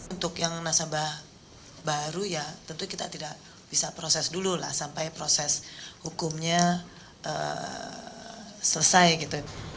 untuk yang nasabah baru ya tentu kita tidak bisa proses dulu lah sampai proses hukumnya selesai gitu